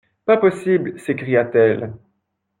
Pas possible ! s'écria-t-elle.